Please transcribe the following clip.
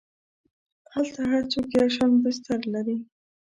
هلته هر څوک یو شان بستر لري.